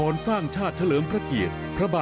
ยุ่งใหม่สิ้นไม่ไหลพักขณะ